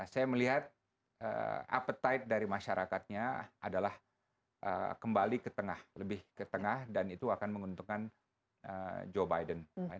saya melihat appetite dari masyarakatnya adalah kembali ke tengah lebih ke tengah dan itu akan menguntungkan joe biden